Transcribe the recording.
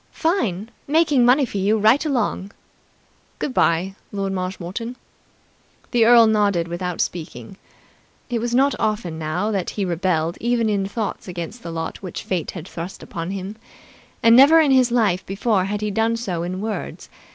"Fine. Making money for you right along." "Good bye, Lord Marshmoreton." The earl nodded without speaking. It was not often now that he rebelled even in thoughts against the lot which fate had thrust upon him, and never in his life before had he done so in words.